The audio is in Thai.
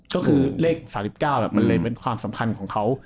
ก็คือเลข๓๙มันเลยเป็นความสำคัญของเขา